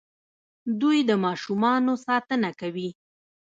دوی د ماشومانو ساتنه کوي.